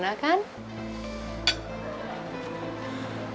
terima kasih ya